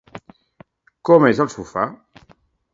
Com és el sofà?